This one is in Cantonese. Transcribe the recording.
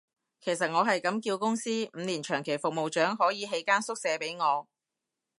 其實我係咁叫公司，五年長期服務獎可以起間宿舍畀我